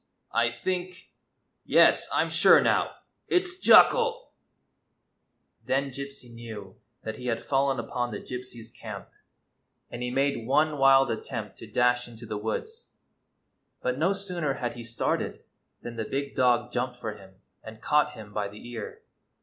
I think — yes, I 'm sure now — it 's Jucal !" Then Gypsy knew that lie had fallen upon the Gypsies' camp, and he made one wild attempt to dash into the woods. But no sooner had he started than the big dog jumped for him and caught him by the ear.